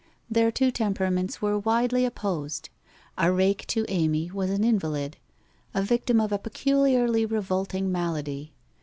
Their two temperaments were widely opposed. A rake fco Amy was an invalid — a victim of a peculiarly re volting malady.